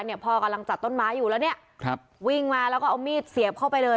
พ่อกำลังจัดต้นไม้อยู่แล้วเนี่ยครับวิ่งมาแล้วก็เอามีดเสียบเข้าไปเลย